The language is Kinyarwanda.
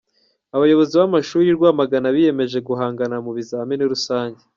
Abayobozi b’amashuri i Rwamagana biyemeje guhangana mu bizamini rusange.